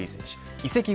移籍後